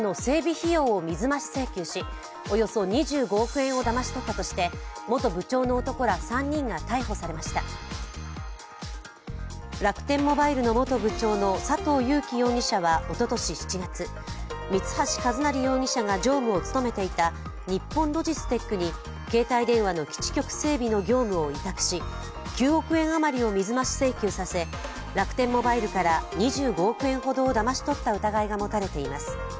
費用を水増し請求し、およそ２５億円をだまし取ったとして元部長の男ら３人が逮捕されました楽天モバイルの元部長の佐藤友紀容疑者はおととし７月、三橋一成容疑者が常務を務めていた日本ロジステックに携帯電話の基地局整備の業務を委託し９億円余りを水増し請求させ楽天モバイルから２５億円ほどだまし取った疑いが持たれています。